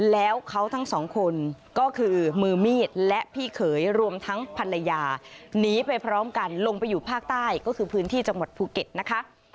แล้วเขาทั้งสองคนก็คือมือมีดและพี่เขยรวมทั้งภรรยาหนีไปพร้อมกันลงไปอยู่ภาคใต้ก็คือพื้นที่จังหวัดภูเก็ตนะคะ